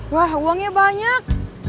wah uangnya banyak